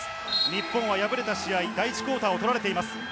日本敗れた試合、第１クオーターを取られています。